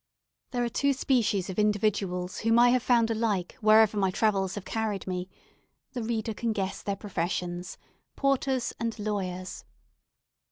There are two species of individuals whom I have found alike wherever my travels have carried me the reader can guess their professions porters and lawyers.